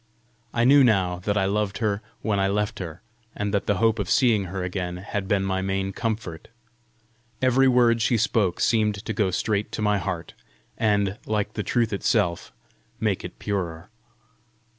I knew now that I loved her when I left her, and that the hope of seeing her again had been my main comfort. Every word she spoke seemed to go straight to my heart, and, like the truth itself, make it purer.